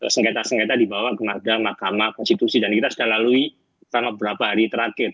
sengketa sengketa dibawa ke mahkamah konstitusi dan kita sudah lalui selama beberapa hari terakhir